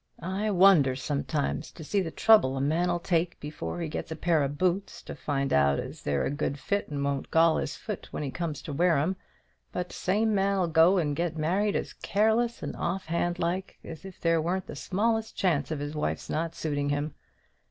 I wonder sometimes to see the trouble a man'll take before he gets a pair o' boots, to find out as they're a good fit and won't gall his foot when he comes to wear 'em; but t' same man'll go and get married as careless and off hand like, as if there weren't the smallest chance of his wife's not suiting him.